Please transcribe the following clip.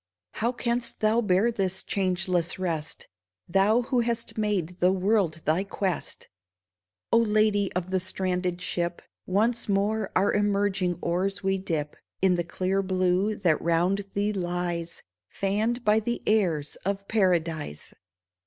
How canst thou bear this changeless rest, Thou who hast made the world thy quest ? O Lady of the stranded ship, Once more our Imgering oars we dip In the clear blue that round thee lies, Fanned by the airs of Paradise